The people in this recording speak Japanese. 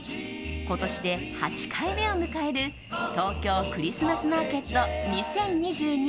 今年で８回目を迎える東京クリスマスマーケット２０２２